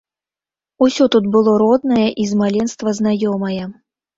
Усё тут было роднае і з маленства знаёмае.